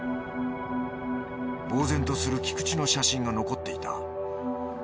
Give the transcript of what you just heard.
呆然とする菊池の写真が残っていた。